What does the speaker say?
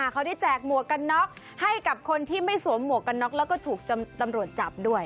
เขาได้แจกหมวกกันน็อกให้กับคนที่ไม่สวมหมวกกันน็อกแล้วก็ถูกตำรวจจับด้วย